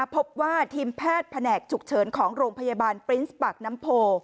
พบว่าทีมแพทย์แผนกฉุกเฉินของโรงพยาบาลปรินส์ปากน้ำโพ